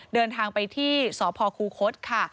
เดินทางไปที่สพคูคศค่ะ